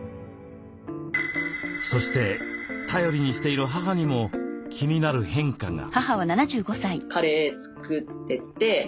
そして頼りにしている母にも気になる変化が。